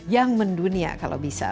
yang mendunia kalau bisa